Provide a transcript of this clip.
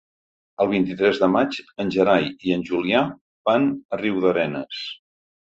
El vint-i-tres de maig en Gerai i en Julià van a Riudarenes.